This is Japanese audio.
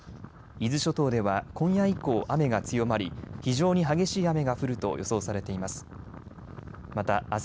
伊豆諸島では今夜以降、雨が強まり非常に激しい雨が降ると予想されています。